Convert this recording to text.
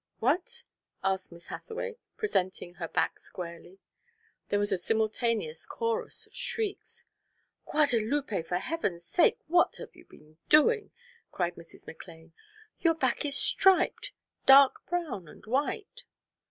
"What?" asked Miss Hathaway, presenting her back squarely. There was a simultaneous chorus of shrieks. "Guadalupe, for Heaven's sake, what have you been doing?" cried Mrs. McLane. "Your back is striped dark brown and white."